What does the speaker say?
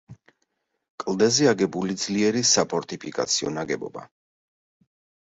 კლდეზე აგებული ძლიერი საფორტიფიკაციო ნაგებობა.